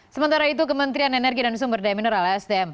sementara itu kementerian energi dan sumber daya mineral sdm